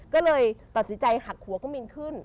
ก็เลยตัดสินใจหักหัวก็มินขึ้น